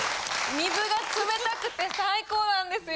水が冷たくて最高なんですよ。